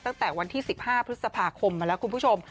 ตั้งแต่วันที่๑๕พฤษภาคมมาแล้วคุณผู้ชม